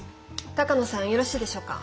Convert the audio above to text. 鷹野さんよろしいでしょうか？